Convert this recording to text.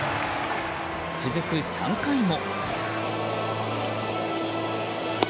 続く３回も。